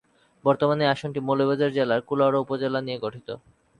বর্তমানে এ আসনটি মৌলভীবাজার জেলার কুলাউড়া উপজেলা নিয়ে গঠিত।